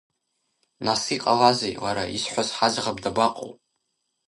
Нас иҟалазеи, лара изҳәаз ҳаӡӷаб дабаҟоу?